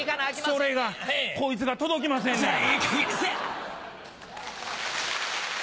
それがこいつが届きませんねや。